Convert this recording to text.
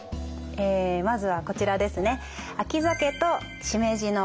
えまずはこちらですね。